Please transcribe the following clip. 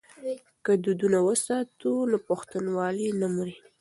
که دودونه وساتو نو پښتونوالي نه مري.